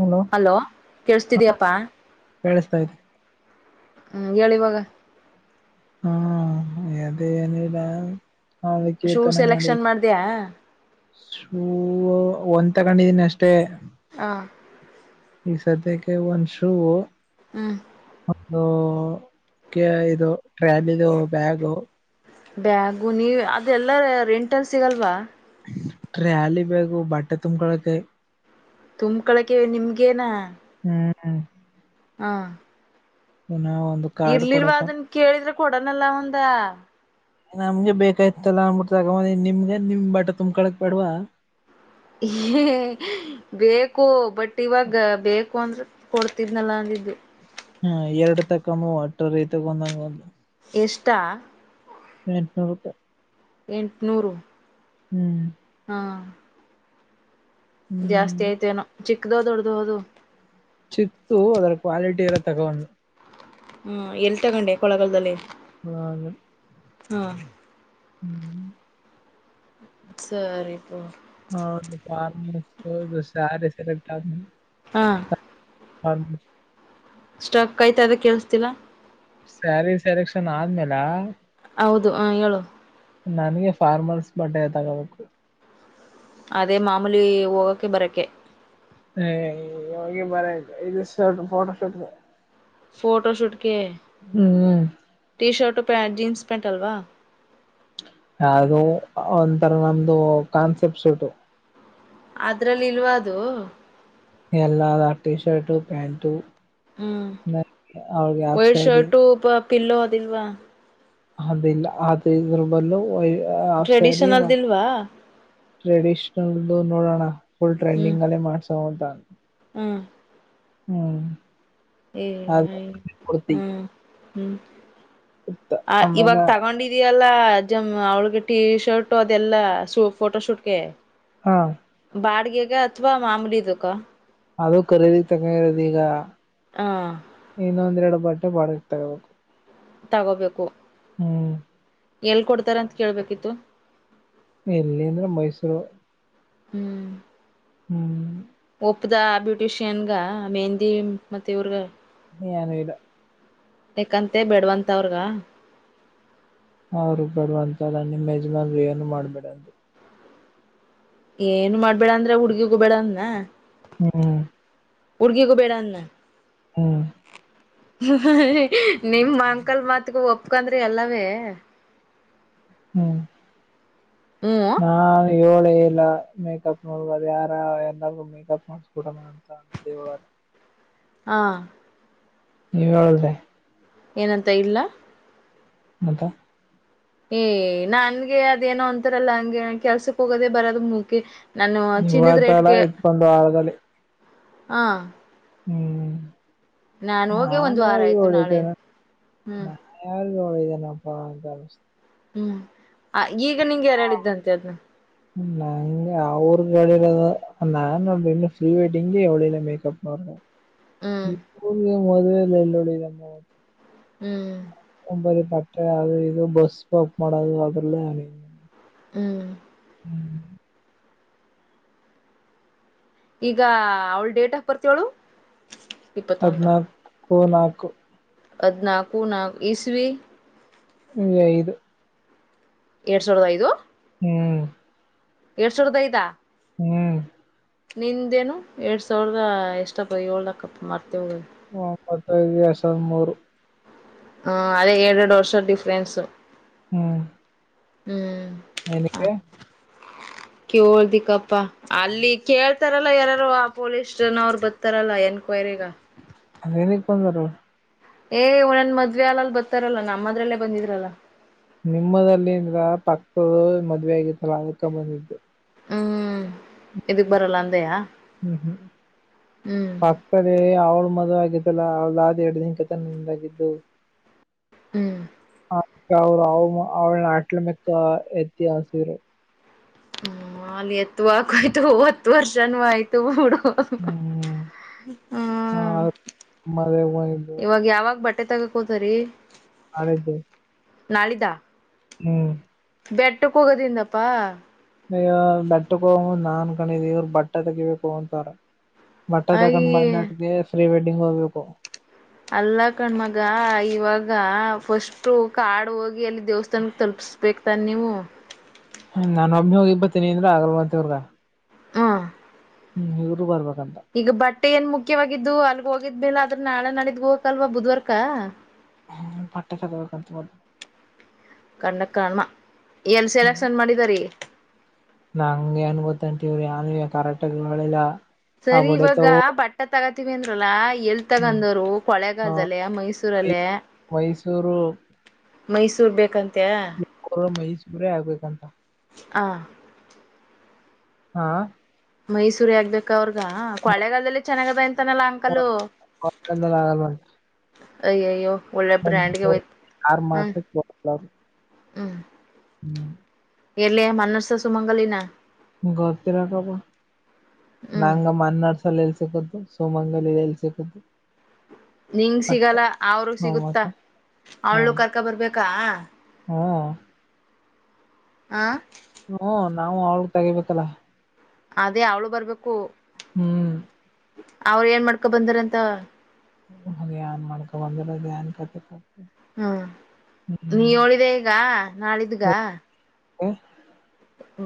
Hello hello ಹ ಕೇೇಳಸ್ತಿದಯಪ್ಪಾ ಕೇಳಿಸ್ತಾ ಇದೆ ಹ್ಮ್ ಹೇಳಿಿವಾಗ ಹಾ ಅದೇಏನಡಾ ನದಕ್ಕೆ ಶೂ ತನ ಮಾಡಿ ಸೆಲೆಕ್ಷನ್ ಮಾಡ್ದ್ಯಾ ಸೂ ಒಂದ್ ತಗೊಂಡಿದೀನಿ ಅಷ್ಟೇ ಹ ಈ ಸದ್ಯಕ್ಕೆ ಒಂದು್ ಶೂ ಹ್ಮ್ ಒಂದು ಇದು ಟ್ರಾಲ ಇದು ಬ್ಯಾಗು ಬ್ಯಾಗು ನೀ ಅದೆಲ್ಲ ರೆಂಟಲ್ ಸಿಗಲ್ವಾ ರಟ್ರ್ಯಾಲಿ ಬಗು ಬಟ್ಟೆ ತುಂಬಕೊಳಕೆ ತುಂಬಕಳಕೆ ನಿಮಗೇನ ಹಾ ಹಾ ಒಂದು ಕಾರ್ಡ್ ಇರ್ಲಿಲ್ವ ಕೊಡಕ ಅದನ್ ಕೇಳಿದ್ರೆ ಕೊಡನಲ್ಲ ಒಂದ ನಮ್ಗೆ ಬೇಕಾಯತ್ತಲ್ಲ ಅನ್ಬಿಟ್ಟತ ಆಗ ಮ ನಿಮ್ಗೆ ನಿಮ್ ಬಟ್ಟ ತುಂಬಕೊಳಕ್ ಬೇಡ್ವಾ ಹ ಬೇಕು ಬಟ್ ಇವಾಗ ಬೇಕು ಅಂದ್ರೆ ಕೊಡ್ತಿದ್ನಲ್ಲ ಅಂದಿದ್ದು ಹ್ಮ ಎರಡು ತಕಮ್ಮ ಅಟ್ಟರ ರೈತಗೊಂದಂಗ ಒಂದು ಎಷ್ಟ ನೂಪ ಎಂಟುನೂರು ಹ್ಮ್ ಹ್ಮ ಜಾಸ್ತಿ ಹ್ಮ್ ಆಯ್ತ ಏನೋ ಚಿಕ್ಕದೋ ದೊಡ್ದ ಹೋದು ಚಿಕ್ತು ಅದ್ರ ಕ್ವಾಲಿಟಿ ಇರ ತಗೊಂಡ ಹ್ಮ್ ಎಲ್ಲಿ ತಗೊಂಡೆ ಕೊಳಗಲ್ದಲ್ಲಿ ಹಾ ಹ್ಮ ಹ್ಮ್ ಸರಿ ತಗೋ ಹಫಾರ್ಮ ಸಾರ ಸೆಲೆಗಟಾಕ್ ಹಾ ಹ ಸ್ಟಾಕ್ ಆಯ್ತಾ ಅದ ಕೇಳಸ್ತಿಲ್ಲ ಸ್ಯಾರಿ ಸ್ಯಾರಿಕ್ಷನ್ ಆದ್ಮೇಲ ಹೌದು ಹ ಹೇಳು ನನಗೆ ಫಾರ್ಮರ್ಸ್ ಬಟ್ಟೆ ತಗೋಬೇಕು ಅದೇ ಮಾಮೂಲಿ ಹೋಗೋಕ್ಕೆ ಬರಕೆ ಹ ಯೋಗಫೋಟೋಷೂಟ್ ಫೋಟೋ ಶೂಟ್ಕ್ಕೆ ಟಿ ಶರ್ಟ್ ಪ್ಯಾ ಜೀನ್ಸ್ ಪ್ಯಾಂಟ್ ಅಲ್ವಾ ಯಾದು ಒಂಥರ ನಮ್ದು ಕಾನ್ಸೆಪ್ಟ್ ಸೂಟು ಅದ್ರಲ್ಲಿ ಇಲ್ವಾ ಅದು ಎಲ್ಲ ಟಿ ಶರ್ಟು ಪ್ಯಾಂಟು ಹ್ಮ್ ಅವ್ರಿಗೆ ಹಾಫ್ ಒಡ್ ಸ್ಯಾರಿ ಶರ್ಟು ಪಿಲ್ಲ ಅದಿಲ್ವಾ ಅದಲ್ಲ ಅದು ಇದ್ರ ಬಲ್ಲ ಟ್ರೆಡಿಷನಲ್ ದಲ್ವಾ ಟ್ರೆಡಿಷನಲ್ು ನೋಡೋಣ ಫುಲ್ ಹ್ಮ್ ಟ್ರೆಂಡಿಂಗ್ ಅಲ್ಲೇ ಮಾಡ್ಸೋಂತ ಹ್ಮ್ ಹ್ಮ್ ಏ ಅ ಹ್ಮ್ ಹ್ಮ್ ಆ ಇವಾಗ ಆಮೇಲೆ ತಗೊಂಡಿದಯಲ್ಲಾ ಅಜ್ಜಮ್ಮ ಅವಳಿಗೆ ಟಿ ಶರ್ಟ್ ಅದೆಲ್ಲ ಫೋಟೋ ಶೂಟ್ಗೆ ಹಾ ಬಾಡಿಗೆ ಅಥವಾ ಮಾಮೂಲಿದು ಕೋ ಅದು ಖರೀದ ತಗಿರೋದ ಈಗ ಹ ಇಗ ಒಂದೆರಡು ಬಟ್ಟೆ ಬಳ ಬಡಿಗೆ ತಾಕಬೇಕು ತಗೋಬೇಕು ಹ್ಮ್ ಎಲ್ ಕೊಡ್ತಾರ ಅಂತ ಕೇಳ್ಬೇಕಿತ್ತು ಎಲ್ಲಿ ಅಂದ್ರೆ ಮೈಸೂರು ಹ್ಮ್ ಹ್ಮ್ ಉಪ್ಪದ ಬ್ಯೂಟಿಷಿಯನ್ಗ ಮೆಹಂದಿ ಮತ್ತೆ ಇವ್ರಗ ನೀ ನ್ ಇಡ ಯಏಕಂತ ಬೇಡ್ವಂತ ಅವ್ರಗ ಅವರು ಬರುವರುವಂತ ನಿಮ್ಮ ಯಜಮಾನ್ರಿ ಏನು ಮಾಡ್ಬೇಡದು ಏನು ಮಾಡ್ಬೇಡ ಅಂದ್ರ ಹುಡ್ಗಿ ಹೋಗಬೇಡಂದನ ಹ್ಮ್ ಹುಡುಗಿಗೂ ಬೇಡ ಅದ್ನ. ಹ್ಮ್. ನಿಮ್ಮ ಅಂಕಲ್ ಮತ್ಗ ಒಪ್ಕಂದ್ರೆ ಎಲ್ಲವೇ. ಹ್ಮ್ ಹ್ಮ ನಾನು ಏಳೇಲ್ಲ. ಮೇಕಪ್ ನೋಡ್ಬಾರದು ಯಾರ ಎನಾದೂ ಮೇಕಪ್ ಮಾಡಸ್ಬೊಡಣ ಅಂತ ಅಂತ ಹೇಳಾರ ಹಾ ನೀವು ಹೇಳಿದ್ರೆ ಏನಂತ ಇಲ್ಲ ಮಂತ ಏ ನನ್ಗೆ ಅದೇನೋ ಅಂತಾರಲ್ಲ ಹಂಗೆ ಕೆಲ್ಸಕ್ ಹೋಗೋದೇ ಬರೋದ ಮುಖೆ ನಾನು ಚಿನ್ನದ್ ಇವತ್ತಲ್ಲ ರೇಟ್ಗೆ ಇತ್ಕೊಂಡ್ ವಾರದಲ್ಲಿ ಹಾ ಹ್ಮ್ ಹೋಗಿ ಒಂದ್ ನಾನ್ ವಾರ ಯಾರಗು ಆಯ್ತು ನಾಳೆ ಹೇಳಿದನು ಹ್ಮ್ ನಾನ್ ಯಾರು ಒಳ್ಳದ ನ ಪ ಹ್ಮ್ ಈಗ ನಿಂಗೆ ಯಾರು ಹೇಳಿದಂತೆ ಅದ್ನ ನಾಂಗ ಅವರು ಕಡರೋ ನಾನು ಇನ್ನು ಫ್ರೀ ವೆಡ್ಟ್ಟಿಂಗ ಎಳಲ್ಲ ಮೇಕಪ್ ನವರ್ಗ ಹ್ಮ್ [inaudible] ಮತ್ತ ಹ್ಮ್ ಬರಿ ಬಟ್ಟೆ ಅದು ಇದು ಬಸ್ಾಪ್ ಮಾಡೋದು ಅದ್ರಲ್ಲ ಹ್ಮ್ ಈಗ ಅವಳ ಡೇಟ್ ಆಫ್ ಬರ್ತ್ ಅವಳು ಇಪ್ಪತ್ತೊಂದು ಹನಾಾಲ್ಕು ಅದ್ನಾಕು ನ ಇಸ್ವಿೀ ಹಐದು ಎರಡ್ ಸಾವಿರದ ಐದು ಹ್ಮ್ ಎರಡ್ ಸಾವರದ ಐದ ಹ್ಮ್ ನಿಂದೇನು ಎರಡ್ ಸಾವಿರದ ಎಷ್ಟಪ್ಪ ಏಳ್ದ ಕಪ್ಪಾ ಮರತೇ ಹೋಗದ ಒಂಬತ್ತೈಐದು ಎರಡ್ ಸಾವಿದ ಮೂರು ಹ್ಮ ಅದೇ ಏರಡು ಎರಡು ವರ್ಷ ಡಿಫ್ರೆನ್ಸು ಹ್ಮ್ ಹ್ಮ್ ಎನಕ್ಕೆ [inaudible] ಕೆಳ್ದಿಕಪ್ಪಾ ಅಲ್ಲಿ ಕೇಳ್ತಾರಲ್ಲ ಯಾರರು ಆ ಪೊಲೀಸ್ ಜನ ಅವರು ಬರ್ತಾರಲ್ಲ ಎನ್ಕೋ [unintelligible] ಅದೇನ ಕೊಡ [unintelligible] ಏ ಒನ್ ಮದ್ವೆ ಅಲ್ ಬರ್ತಾರಲ್ಲಾ ನಮ್ಮದ್ರಲ್ಲೇ ಬಂದಿದ್ರಲ್ಲ ನಿಮ್ಮಲ್ಲಿಂದ್ರ ಪಕ್ತರು ಮದುವೆ ಆಗತ್ತಲ ಅದಕ್ಕೆ ಬಂದಿದ್ದು ಹ್ಮ್ ಇದಕ್ ಬರಲ್ಲ ಅಂದಯಾ ಹ್ಮ್ ಹ್ಮ್ ಪಕ್ತದೆ ಅವರು ಮದ್ವಿ ಆಗಿದ್ದಲ್ಲಾ ಅವದಾದ್ ಎರಡು ದಿನ ಕತ ನಿಮ್ದಾಗಿದ್ದು ಹ್ಮ್ ಅವರು ಅವ ಅವಳ ನಾಟ್ಲೆ ಮಕ್ಕ ಎತಿ ಆಸರು ಹ್ಮ ಮಾಲ್ಲಿಯತ್ತು ಆಕೋಯ್ತು ಹೊತ್ತು ವರ್ಷಾನ ಆಯ್ತು ಬಿಡು ಹ್ಮ್ ಹಾ ಹ್ಮ್ ಮದ್ವೆಗ್ ಬಂದಿದ್ದು ಇವಾಗ ಯಾವಾಗ್ ಬಟ್ಟ ಬಟ್ಟೆ ತಗೋಕೋತ ರೀ [unintelligible] ನಾಳಿದಾ ಹ್ಮ್ ಬೆಟ್ಟಕ್ಕೆ ಹೋಗೋದಿಂದಪ್ಪಾ ನೀ ಬೆಟ್ಟಕ ಹೋಗ್ ನಾನ್ ಗಣಿದೆ ಇವ್ರರು ಬಟ್ಟೆ ತೆಗಿಬೇಕು ಅಂತಾರ ಬಟ್ಟೆ ತಕೊಂಡ್ ಅಯ ಬಂದಟ್ಟಗೆ ಫ್ರೀ ವೆಡ್ಡಿಂಗ್ ಹೋಗ್ಬೇಕು ಅಲ್ಲ ಕಣ್ಮಗ ಇವಾಗ ಫಸ್ಟು ಕಾಡು ಹೋಗಿ ಅಲ್ಲಿ ದೇವಸ್ಥಾನಕ್ಕೆ ತಲುಪಿಸ್ಬೇಕು ತಾನ ನೀವು ನಾನು ಒಬ್ ಹೋಗಿ ಬತ್ತೀನಿ ಅಂದ್ರ ಆಗಲ್ವಂತವ್ರಗ ಹ್ಮ ಹ್ಮ್ ಇವರು ಬರ್ಬಾರು ಈಗ ಬಟ್ಟೆ ಏನ್ ಮುಖ್ಯವಾಗಿದ್ದು ಅಲ್ಗ ಹೋಗಿದ್ಲೆ ಆದದ್ರ ನಾಳೆ ನಾಳಿದ ಹೋಗಕಲ್ವಾ ಬುಧ್ವಾರಕ ಭಟ್ [unintelligible] ಕನ್ನ ಕರ್ಮ ಏನ್ ಸೆಲೆಕ್ಷನ್ ಮಾಡಿದಿರಿ ನಂಗೆ ಅನ್ ಗೊತ್ತಂತವ್ರ ಯನ್ ಕರೆಕ್ಟಗಳಿಲ್ಲ ಸರಿ ಇವಾಗ ಬಟ್ಟೆ ತಗೋತೀವಿ ಅಂದ್ರಲ್ಲಾ ಎಲ್ ಹ್ಮ್ ತಗಂದವರು ಹ ಕೊಳೆಗಾಲ ಅಲ್ಲೇ ಮೈಸೂರ ಅಲ್ಲಾ ಮೈಸ್ ಮೈಸೂರು ಮೈಸೂರು ಬೇಕಂತ ಕೊ ಮೈಸೂರೇ ಆಗ್ಬೇಕಂತ ಹ ಹಾ ಮೈಸೂರಿ ಆಗ್ಬೇಕ ಅವ್ರಗ ಕೊಳೆಗಾಲದಲ್ಲಿ ಚೆನ್ನಾಗದ ತ್ತನ ಲ ಅಂಕಲು ದಲ್ಲಿ ಆಗಲ್ವಂತ ಅಯ್ಯ ಅಯ್ಯೋ ಒಳ್ಳೆ ಬ್ರ್ಯಾಂಡಗೆಯ್ತ ಯಾರ್ ಮಾತ ಕೇಳಲ್ಲ ಹ್ಮ್ ಹ್ಮ್ ಎಲ್ಲಿಯ ಮನ್ನರ್ಸ ಸುಮಂಗಲಿ ನಾ ಗೊರ್ತ್ತೀರಬ ಹ್ಮ್ ನಂಗ ಮನ್ನಾಸಲ್ಲ ಇ ಸಿಕ್ಕು ಸೋಮಂಗಲಲ್ಲಿ ಸಿಕ್ಕು ನಿಂಗ ಸಿಗಲ್ಲ ಅವ್ರ ಸಿಗುತ್ತಾ ಮತ್ತೆ ಹಾ ಅವಳು ಕರ್ಕ ಬರ್ಬೇಕಾ ಹ್ಮ ಹಾ ಹ್ಮ ನಾವು ಅವ್ರಗ್ ತಗಿಬೇಕಲ್ಲ ಅದೇ ಅವಳು ಬರ್ಬೇಕು ಹ್ಮ್ ಅವ್ರ ಏನ್ ಮಾಡ್ಕೊ ಬಂದಾರಂತ ನ್ ಮಾಡ್ಕೊ ಬಂದ್ರ ಯಾನ್ ಕಥೆನೊ ಹ್ಮ ನೀ ಹೇಳಿದೆ ಈಗ ನಾಳಿದಗ ಹ [inaudible]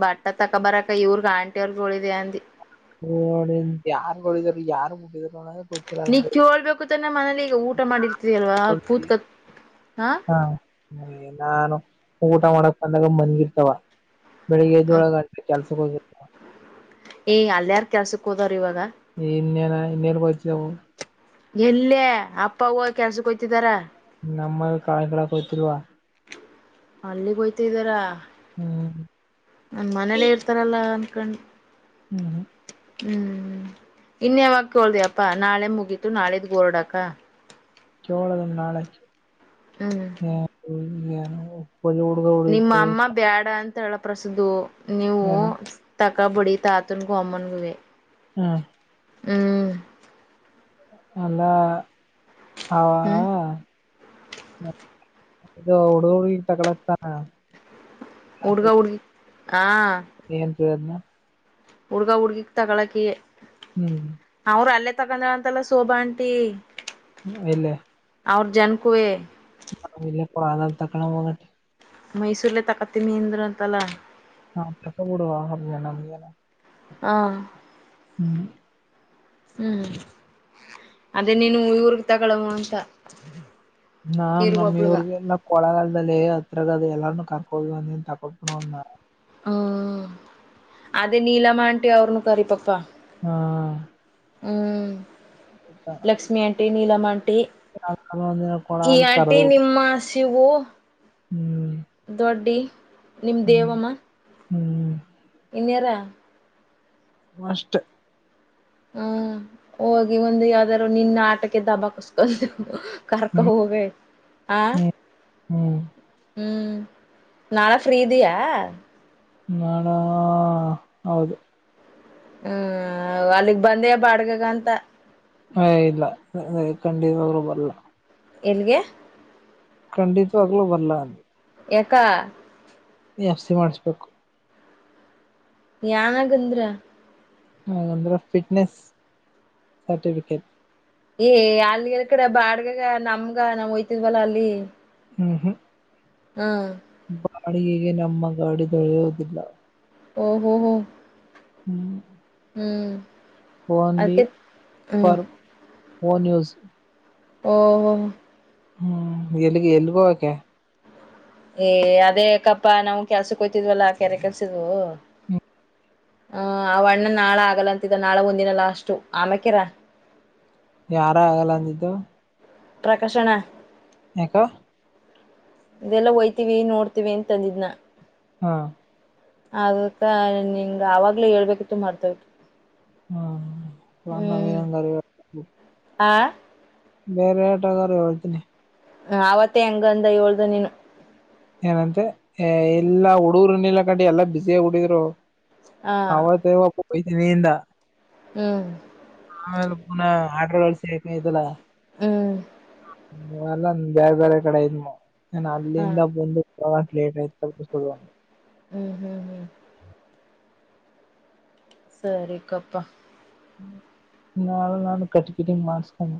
ಬಟ್ಟ ತಕೊ ಬರಕ ಇವ್ರಗ್ ಆಂಟಿ ಅವ್ರಗ ಒಳಿದಿದೆ ಅಂದಿ [unintelligible] ಯಾರ್ಾರ ಯಾರ್ ಬಿಟ್ಟಾರ [inaudible] ನಿ ಕಳ್ಬೇಕು ತ್ರೆ ಮನಲಿ ಈಗ ಊಟ ಮಾಡಿರ್ತರಿಲ್ವಾ ನಂಗೆ ಕೂತ್ಕತ್ [unintelligible] ಹಾ, ನಾನು ಊಟ ಮಾಡಕ್ ಬಂದಾಗ ಮನ್ಗಿರ್ತವ. ಬೆಳಿಗ್ಗೆ ಎದೊಳಗ ಅ ಕೆಲ್ಸಕ್ಕೆ ಹೋಗಿರ್ತವ. ಏ ಅಲ್ಯಾರ್ ಕೆಲ್ಸಕ್ ಹೋದವ್ರ್ ಇವಾಗ. ಇನ್ನ ಇನ್ನೇನು ಬಯತ [inaudible] [unintelligible] ಎಲ್ಲೆ ಅಪ್ಪ -ಅವ್ವ ಕೆಲ್ಸಕ್ಕ ಹೊಯ್ತಿದಾರ ನಮ್ಮ ಕಾಳ ಕಕೋ್ತಿಲ್ವಾ [unintelligible] ಅಲ್ಲಿಗೆೋಯ್ತಿದ್ದಾರ ಹ್ಮ್ ನನ್ ಮನೇಲ್ಲೇ ಇರ್ತಾರಲ್ಲ. ಫಂಡ [inaudible] ಹ್ಮ್, ಹ್ಮ್ ಹ್ಮ್, ಇನ್ವಾಗ ತೋಳ್ದಿಪ್ಪಾ ನಾಳೆ ಮುಗೀತು ನಾಳೆದ ಓರಡಕ. ಚೋಳದ ನಾಳ ಹ್ಮ್ ಹ [unintelligible] ನಿಮ್ಮ ಅಮ್ಮ ಬ್ಯಾಡ, ಅಂತ ತಳಪಸ್ದ [unintelligible] ನೀವು ಏನ ತಕಬುಡಿ ತಾತನ್ಗೂ ಅಮ್ಮನ್ಗೂವೇ. ಹಾ [inaudible] ಹ್ಮ್,, ಅಲ್ಲಾ, ಅವಾ ಹ್ಮ್ ಅ ಉಡುಡಿ ತಗಲತಾನ [unintelligible] ಹುಡುಗಾ-ಹುಡ್ಗಿ ಹಾ, ಏನು? ಪ್ರಯತ್ನ ಹುಡ್ಗ- ಹುಡ್ಗಿ ಹ್ಮ್ ತಗಳಕಿಲಅವ್ರ ಅಲ್ಲೇ ತಗೊಂಡ ಅಂತಲ್ಲ ಸೋಭಾ ಆಂಟಿ, ಹ್ಮ ಎಲ್ಲಿ, - ಅವ್ರ ಜನ್ಕುವೆ, ಹ ಇಲ್ಲ ಪಾದ ತಕ್ಕಣ ಬಂದಟ್ಟೆ [unintelligible] ಮೈಸೂರ್ಲೆ ತಕ್ಕತಿನಿಅಂದರಂತಲ್ಲಾ. ಹಾಂಕ್ಕಬೂಡುವ ಅಿಯನಿಯಲ್ಲ [unintelligible] ಹಾ,, ಹ್ಮ್, ಹ್ಮ್, ಅದೇ ನೀನು ಇವರ್ ತಗಳುವ ಅಂತ. ನಾನ್ ಕೀರ್ಗ ನಮ್ಮ್ ಒಬ್ಳಗ ಇವ್ರಗೆಲ್ಲ ಕೊಳಗಾಲದಲ್ಲಿ ಆತ [unintelligible] ಅದು ಎಲ್ಲಾರನ್ನ ಕರ್ಕೋೋಗಿ ಅಂದೇ ತೊಪ್ಪನಂದ [unintelligible] ಹ್ಮ್, ಅದೇ ನೀಲಮ್ಮ ಆಂಟಿ ಅವ್ರನು ಕರಿ ಪಪ್ಪಾ. ಹಾ, ಲಕ್ಷ್ಮಿಆಂಟಿ, ನೀಲಮ್ಮ ಆಂಟಿ- ಒಂದಿನ ಈ ಕೊಳಗಾಲ ಕರ್ದ ಆಂಟಿ ನಿಮ್ಮ ಹಸಿವು [unintelligible] ಹ್ಮ್, ನಿಮ್ ಹ್ಮ್ ದೇವಮ್ಮ. ಹ್ಮ್,, ಇನ್ನೇರಾ [inaudible] ಮಷ್ಟ [inaudible] ಹಾ, ಹೋಗಿ ಒಂದು ಯಾವ್ದಾದ್ರು ನಿನ್ನ ಆಟಕ್ಕೆ ದಬ್ಬ ಕುಸ್ಕೊಳ್ [unintelligible] ಕರ್ಕ ಹ್ಮ್ ಹೋಗ ಆ ಹ್ಮ್ ಹ್ಮ್ ಹ್ಮ್ [unintelligible] ನಾಳೆ ಫ್ರೀದಿಯಾ,, ನಾಡ ಹೌದು [unintelligible] ಹ್ಮ್, ಅಲ್ಲಿಗ್ ಬಂದೆಬಾಡ್ಗೆಗಂತ. ಹ ಇಲ್ಲ ಖಂಡಿತರುೂ ಬಲ್ಲ [unintelligible] ಎಲ್ಲಿಗೆ ಖಂಡಿತವಾಗಲು ಬರ್ಲ ಅ ಎಕ್ ಜಾಸ್ತಿ ಮಾಡಿಸ್ಬೇಕು. ಯಾವಾಗ ಗಂದ್ರ ಹಾಗಂದ್ರೆ ಫಿಟ್ನೆಸ್ ಸರ್ಟಿಫಿಕೇಟ್ ಏ ಅಲ್ಲಿ ಎಲ್ ಕಡೆ ಬಾಡ್ಗಗ ನಮ್ಗ ನಾವ್ ಹೊಯ್ತಿದ್ವಲ್ಲ ಅಲ್ಲಿ. ಹ್ಮ ಹ್ಮ ಹ್ಮ್ ಬಾಡಿಗೆಗೆ ನಮ್ಮ ಗಾಡಿ ದೊಳೆಯೋದಿಲ್ಲ. ಓಹೋಹೊ ಹ್ಮ ಓನ್ಲಿ ಅದಕ್ಕೆ ಹ್ಮ್ ಫರ್ ಓ ನ್ಯೂಸ್ ಓಹೋಹೊ ಹ್ಮ್ ಎಲ್ಲಿಗೇ ಎಲ್ಲಿಹೊಗೋಕೆ ಏ ಅದೇ ಎಕಪ್ಪಾ ನಾ್ ಕೆಲ್ಸಕ್ಕೋಯ್ತಿದ್ವಲ್ಲಾ ಕೆರೆ ಕೆಲ್ಸಿದ್ವು ಹಹ ಆ ಅಣ್ಣನ್ ನಾಳ ಆಗಲ್ಲ ಅಂತಿದ್ದ ನಾಳೆ ಒಂದಿನ ಲಾಷ್ಟು ಆಮಕರ ಯಾರ ಆಗಲ್ಲ ಅಂದಿದ್ದು ಪ್ರಕಾಶ್ ಅಣ್ಣ ಎಕ್ ಇದೆಲ್ಲ ಒಯ್ತೀವಿ ನೋಡ್ತಿವಿ ಅಂತಂದಿದ್ನ ಹಾ ಅದಕ್ಕ ನಿಂಗ ಅವಾಗ್ಲೇ ಹೇಳ್ಬೇಕಿತ್ತು ಮರತ ಹೋಯಿತು ಹ್ಮ್ ಅಂದ ಮೀನಂದ ಹಾ ಬೇರೆ ಆಟಗಾರೆ ಹೇಳ್ತನಿ. ಹ ಆವತ್ತೇ ಹೆಂಗಂದ ಏಳ್ದ ನೀನು. ಏನಂತೆ ಎಲ್ಲಾ ಹುಡುಗ್ರನಿಲ್ಲ ಕಂಡಿ ಎಲ್ಲಾ ಬ್ಯುಸಿಯಾಗಿ ಬಿಟ್ಟಿದರ ಅವರು ಹ ಹವ ತ ಇವ ಪಸನೀದಾ ಹ್ಮ್ ಆಮೇಲೆ ಪುನ ಅಡ್ರೆಸ್ಸ್ ಐತಲ್ಲ ಹ್ಮ್ ಹ್ಮ ಎಲ್ಲ ಬೇರೆ ಬೇರೆ ಕಡೆ ಇದಂ ಏನ ಹಾ ಅಲ್ಲಿಂದ ಹೋಗಾಕ್ ಲೇಟ್ ಆಯ್ತು ತಂತ ತಗೋ ಹ್ಮ್ ಹ್ಮ್ ಹ್ಮ್ ಸರಿ ಕಪ್ಪ ನಾಳೆ ನಾನು ಕಟ ಕಟಿಂಗ್ ಮಾಡ್ಸ್ಕೊಂಡೆ